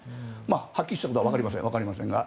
はっきりしたことはわかりませんが。